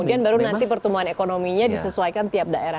kemudian baru nanti pertumbuhan ekonominya disesuaikan tiap daerah